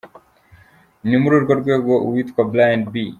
Ni muri urwo rwego uwitwa Brian B.